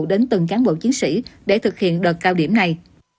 đến từng cán bộ chiến sĩ để thực hiện đợt cao điểm này